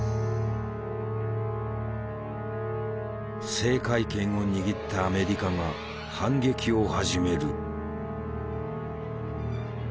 制海権を握ったアメリカが反撃を始める。